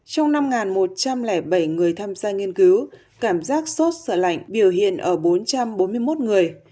trong năm một trăm linh bảy người tham gia nghiên cứu cảm giác sốt sở lạnh biểu hiện ở bốn trăm bốn mươi một người